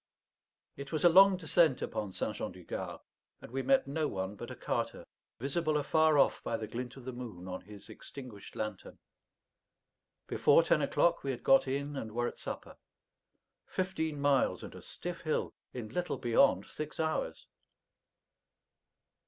It was a long descent upon St. Jean du Gard, and we met no one but a carter, visible afar off by the glint of the moon on his extinguished lantern. Before ten o'clock we had got in and were at supper; fifteen miles and a stiff hill in little beyond six hours!